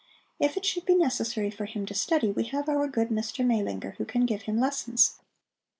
If it should be necessary for him to study, we have our good Mr. Maelinger, who can give him lessons."